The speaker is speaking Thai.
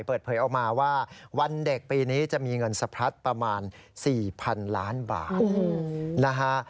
เปิดเผยออกมาว่าวันเด็กปีนี้จะมีเงินสะพัดประมาณ๔๐๐๐ล้านบาทนะฮะ